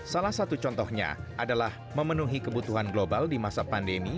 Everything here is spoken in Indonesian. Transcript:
salah satu contohnya adalah memenuhi kebutuhan global di masa pandemi